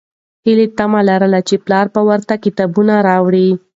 هیلې تمه لرله چې پلار به ورته کتابونه راوړي.